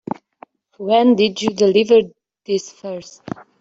When did you deliver this first?